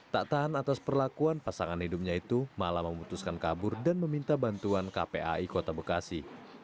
tak tahan atas perlakuan pasangan hidupnya itu malah memutuskan kabur dan meminta bantuan kpai kota bekasi